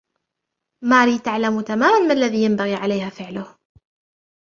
ماري تعلم تماماً ما الذي ينبغي عليها فعله